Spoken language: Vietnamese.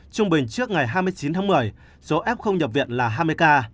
trung bình trước ngày hai mươi chín tháng một mươi số f không nhập viện là hai mươi ca